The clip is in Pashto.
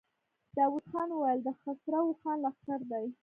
داوود خان وويل: د خسرو خان لښکر دی.